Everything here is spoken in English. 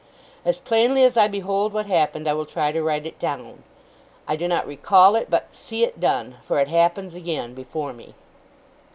As plainly as I behold what happened, I will try to write it down. I do not recall it, but see it done; for it happens again before me.